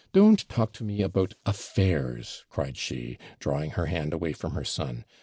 'Don't talk to me about affairs,' cried she, drawing her hand away from her son.